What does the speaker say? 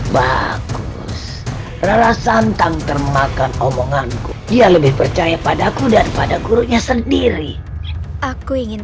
bagus rarasan tang termakan omonganku dia lebih percaya pada aku daripada gurunya sendiri aku ingin